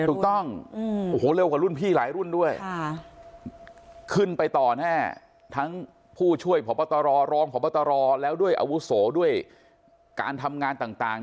ถูกต้องโอ้โหเร็วกว่ารุ่นพี่หลายรุ่นด้วยขึ้นไปต่อแน่ทั้งผู้ช่วยพบตรรองพบตรแล้วด้วยอาวุโสด้วยการทำงานต่าง